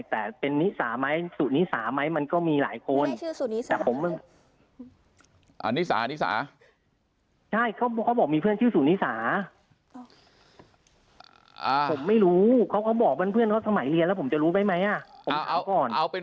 แต่เป็นนิสาไหมสุนิสาไหมมันก็มีหลายคน